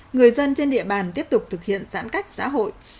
người dân trên địa bàn tiếp tục thực hiện giãn cách xã hội